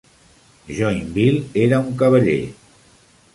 Joinville era un cavaller.